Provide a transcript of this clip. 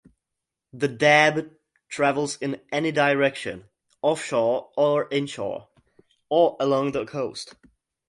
The dab travels in any direction, offshore or inshore, or along the coast.